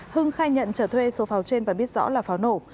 hưng khai nhận trở thuê số pháo trên và biết rõ là pháo nổ